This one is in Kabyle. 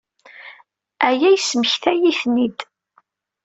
Aya yesmektay-iyi-ten-id.